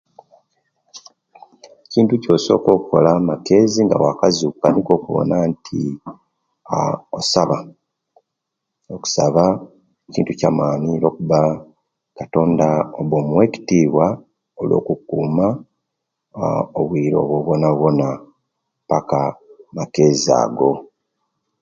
Ekintu ekyosoka okola amakezi nga wakazukuka nikwo okubona nti osaba okusaba kintu kyamaani ino okuba katonda oba omuwa ekitiwa olwo'kukuma obwire obwo bwonabwona paka makezi ago